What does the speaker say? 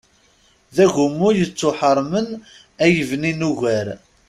D agummu yettuḥeṛṛmen ay bnin ugar.